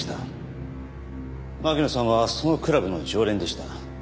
巻乃さんはそのクラブの常連でした。